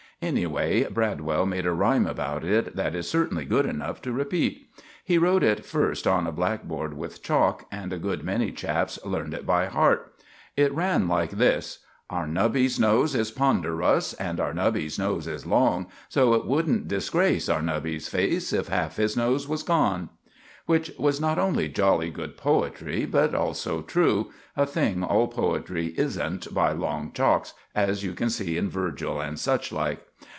Anyway, Bradwell made a rhyme about it that is certainly good enough to repeat. He wrote it first on a black board with chalk, and a good many chaps learned it by heart. It ran like this: "Our Nubby's nose is ponderous, And our Nubby's nose is long; So it wouldn't disgrace Our Nubby's face If half his nose was gone." Which was not only jolly good poetry, but also true a thing all poetry isn't by long chalks, as you can see in Virgil and such like.